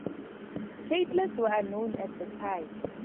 Platelets were unknown at the time.